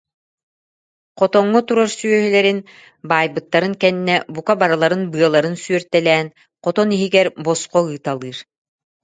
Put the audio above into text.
Хотоҥҥо турар сүөһүлэрин баайбыттарын кэннэ, бука барыларын быаларын сүөртэлээн хотон иһигэр босхо ыыталыыр